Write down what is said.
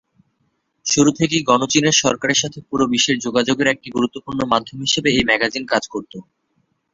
শুরু থেকেই গণচীনের সরকারের সাথে পুরো বিশ্বের যোগাযোগের একটি গুরুত্বপূর্ণ মাধ্যম হিসেবে এই ম্যাগাজিন কাজ করত।